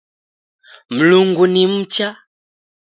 Mlungu ni mcha